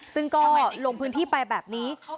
ซึ่งก็ลงพื้นที่ไปแบบนี้